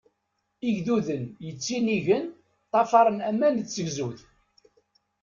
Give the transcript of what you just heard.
Igduden yettinigen ṭṭafaṛen aman d tzegzewt.